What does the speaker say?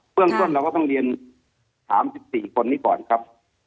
เรื่องต้นเราก็ต้องเรียน๓๔คนนี้ก่อนครับ